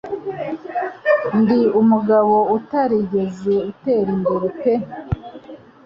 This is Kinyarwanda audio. Ndi umugabo utarigeze atera imbere pe